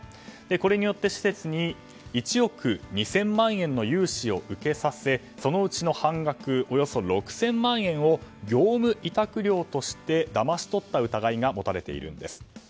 これによって施設に１億２０００万円の融資を受けさせそのうちの半額およそ６０００万円を業務委託料としてだまし取った疑いが持たれているんです。